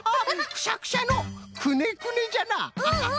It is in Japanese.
くしゃくしゃのくねくねじゃな！